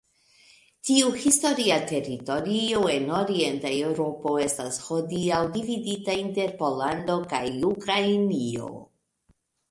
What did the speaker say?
Tiu historia teritorio en Orienta Eŭropo estas hodiaŭ dividita inter Pollando kaj Ukrainio.